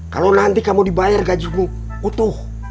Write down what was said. kalau nanti kamu dibayar gajimu utuh